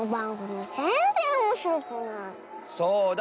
そうだ。